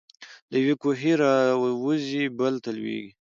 له یوه کوهي را وزي بل ته لوېږي.